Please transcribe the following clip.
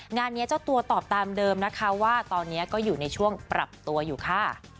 งานนี้เจ้าตัวตอบตามเดิมนะคะว่าตอนนี้ก็อยู่ในช่วงปรับตัวอยู่ค่ะ